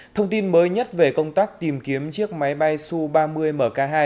thông tin mới nhất về công tác tìm kiếm chiếc máy bay su ba mươi mk hai